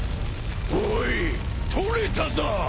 おい取れたぞ！